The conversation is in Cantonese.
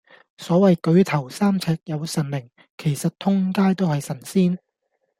所謂舉頭三尺有神靈，其實通街都係神仙